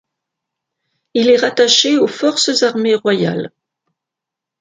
Il est rattaché aux Forces Armées Royales.